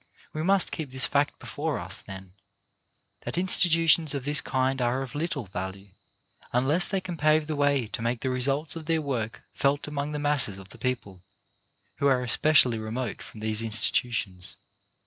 We must keep this fact before us, then; that institutions of this kind are of little value unless they can pave the way to make the results of their work felt among the masses of the people who are especially remote from these institutions.